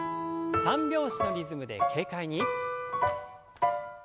三拍子のリズムで軽快に。